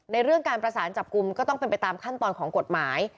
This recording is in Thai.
เรื่องการประสานจับกลุ่มก็ต้องเป็นไปตามขั้นตอนของกฎหมาย